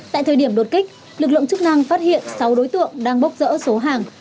tại thời điểm đột kích lực lượng chức năng phát hiện sáu đối tượng đang bốc rỡ số hàng